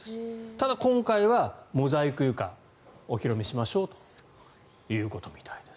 ただ、今回はモザイク床お披露目しましょうということみたいです。